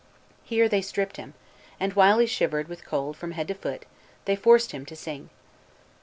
Here they stripped him, and while he shivered with cold from head to foot they forced him to sing.